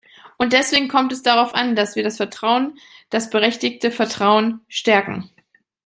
Und deswegen kommt es darauf an, dass wir das Vertrauen, das berechtigte Vertrauen, stärken.